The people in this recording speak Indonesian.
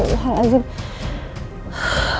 ufff ya allah ya allah